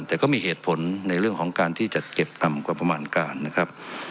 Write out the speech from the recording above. แต่ก็มีเหตุผลในเรื่องของการที่จัดเก็บต่ำกว่าประมาณการนะครับ